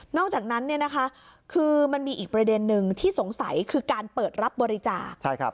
นอกจากนั้นมันมีอีกประเด็นนึงที่สงสัยคือการเปิดรับบริจาค